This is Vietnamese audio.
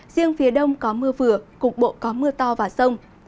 riêng phía đông có mưa vừa cục bộ có mưa to và rông